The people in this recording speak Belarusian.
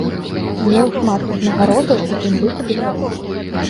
Меў шмат узнагародаў, у тым ліку беларускіх.